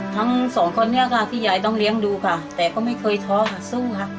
ทั้งสองคนนี้ค่ะที่ยายต้องเลี้ยงดูค่ะแต่ก็ไม่เคยท้อค่ะสู้ค่ะ